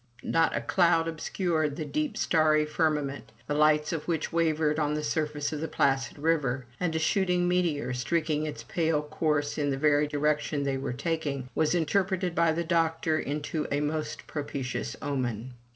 Not a cloud obscured the deep starry firmament, the lights of which wavered on the surface of the placid river; and a shooting meteor, streaking its pale course in the very direction they were taking, was interpreted by the doctor into a most propitious omen.